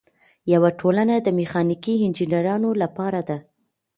یوه ټولنه د میخانیکي انجینرانو لپاره ده.